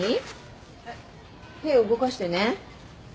えっ手動かしてね。